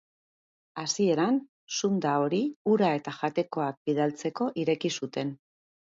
Hasieran, zunda hori ura eta jatekoak bidaltzeko ireki zuten.